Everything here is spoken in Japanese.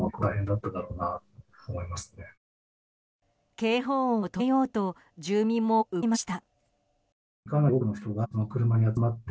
警報音を止めようと住民も動きました。